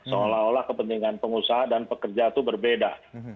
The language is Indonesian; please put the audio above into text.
seolah olah kepentingan pengusaha dan pekerja itu berbeda